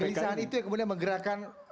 dan kegelisahan itu yang kemudian menggerakkan